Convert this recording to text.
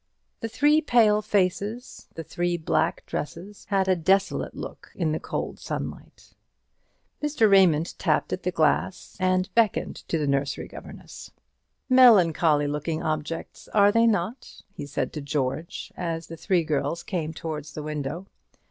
The three pale faces, the three black dresses, had a desolate look in the cold sunlight. Mr. Raymond tapped at the glass, and beckoned to the nursery governess. "Melancholy looking objects, are they not?" he said to George, as the three girls came towards the window.